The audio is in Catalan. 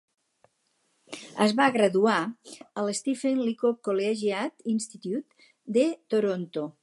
Es va graduar al Stephen Leacock Collegiate Institute de Toronto.